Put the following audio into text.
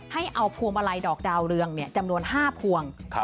ให้เอาพวงมาลัยดอกดาวเรืองจำนวน๕พวง